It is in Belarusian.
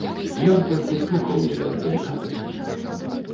Ён толькі слухаў яе з далікатнасці.